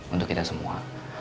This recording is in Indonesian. untuk kita semua